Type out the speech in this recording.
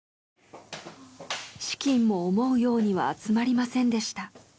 資金も思うようには集まりませんでした。